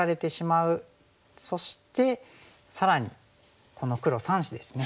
そして更にこの黒３子ですね。